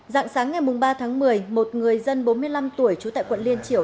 dạng sáng ngày ba tháng một mươi một người dân bốn mươi năm tuổi chú tại quận liên triểu